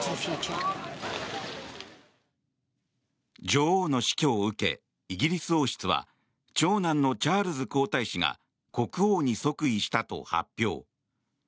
女王の死去を受けイギリス王室は長男のチャールズ皇太子が国王に即位したと発表。